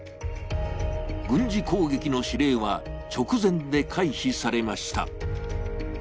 軍事攻撃の指令は直前で回避されました。